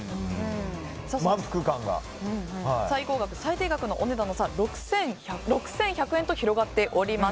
最高額、最低額のお値段の差は６１００円と広がっております。